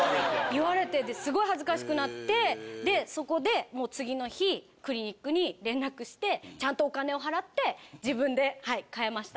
言われてすごい恥ずかしくなってでそこでもう次の日クリニックに連絡してちゃんとお金を払って自分ではい変えました。